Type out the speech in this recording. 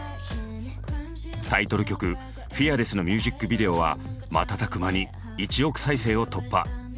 タイトル曲「ＦＥＡＲＬＥＳＳ」のミュージックビデオは瞬く間に１億再生を突破。